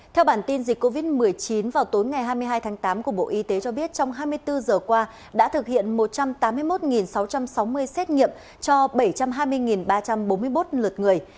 theo bản tin dịch covid một mươi chín vào tối ngày hai mươi hai tháng tám của bộ y tế cho biết trong hai mươi bốn giờ qua đã thực hiện một trăm tám mươi một sáu trăm sáu mươi xét nghiệm cho bảy trăm hai mươi ba trăm bốn mươi một lượt người